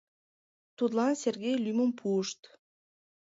Тудлан Сергей лӱмым пуышт.